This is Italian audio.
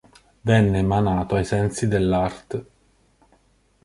Venne emanato ai sensi dell'art.